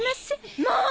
もう！